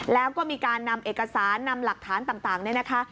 แล้วก็มีการนำเอกสารนำหลักฐานต่างเนี่ยนะคะ